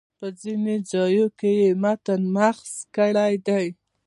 په ځینو ځایونو کې یې متن مسخ کړی دی.